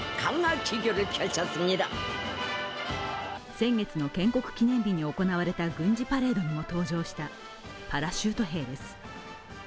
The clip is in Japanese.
先月の建国記念日に行われた軍事パレードにも登場したパラシュート兵です。